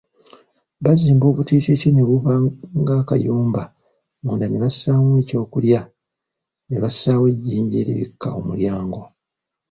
Bazimba obutiititi ne buba ng'akayumba munda ne bassaamu ekyokulya, ne bassaayo ejjinja eribikka omulyango.